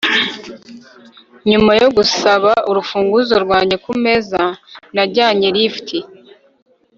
nyuma yo gusaba urufunguzo rwanjye kumeza, najyanye lift